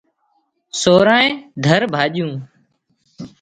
سورانئي ڌر ڀاڄون